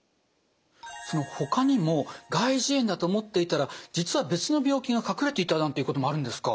ほかにも外耳炎だと思っていたら実は別の病気が隠れていたなんていうこともあるんですか？